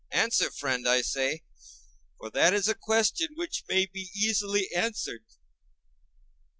Answer, friend, I say; for that is a question which may be easily answered.